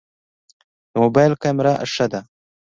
د موبایل کمره ښه ده؟